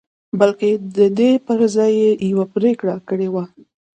بلکې د دې پر ځای يې يوه پرېکړه کړې وه.